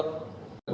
các biện pháp về y tế